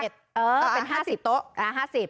๕๐โต๊ะ